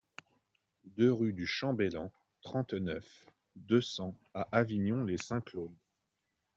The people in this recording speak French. deux rue du Champ Belland, trente-neuf, deux cents à Avignon-lès-Saint-Claude